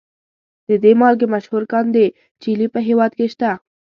د دې مالګې مشهور کان د چیلي په هیواد کې شته.